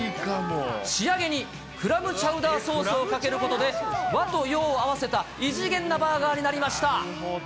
仕上げにクラムチャウダーソースをかけることで、和と洋を合わせた異次元なバーガーになりました。